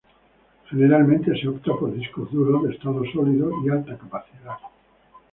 Generalmente se opta por discos duros de estado sólido y alta capacidad.